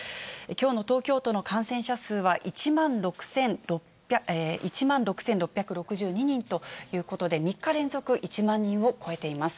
きょうの東京都の感染者数は、１万６６６２人ということで、３日連続で１万人を超えています。